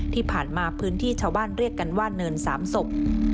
ที่ผ่านมาพื้นที่ชาวบ้านเรียกกันว่าเนินสามศพ